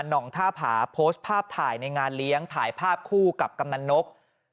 หนองท่าผาโพสต์ภาพถ่ายในงานเลี้ยงถ่ายภาพคู่กับกำนันนก